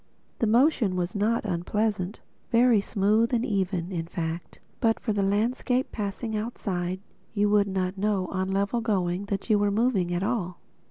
The motion was not unpleasant, very smooth and even; in fact, but for the landscape passing outside, you would not know, on the level going, that you were moving at all.